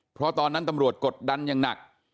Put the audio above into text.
เพราะตอนนั้นตำรวจกดดันอย่างหนัก